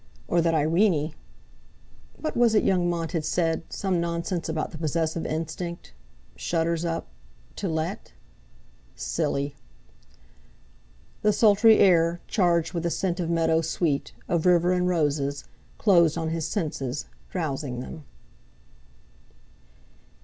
Or that Irene—! What was it young Mont had said—some nonsense about the possessive instinct—shutters up—To let? Silly! The sultry air, charged with a scent of meadow sweet, of river and roses, closed on his senses, drowsing them.